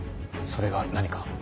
それが何か？